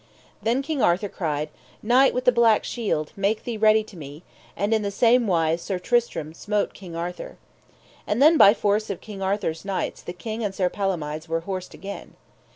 Then King Arthur cried: Knight with the Black Shield, make thee ready to me, and in the same wise Sir Tristram smote King Arthur. And then by force of King Arthur's knights the King and Sir Palomides were horsed again.